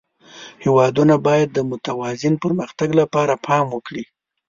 هېوادونه باید د متوازن پرمختګ لپاره پام وکړي.